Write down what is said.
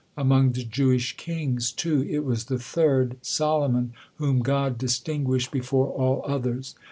Among the Jewish kings, too, it was the third, Solomon, whom God distinguished before all others.